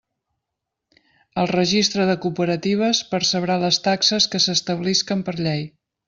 El Registre de Cooperatives percebrà les taxes que s'establisquen per llei.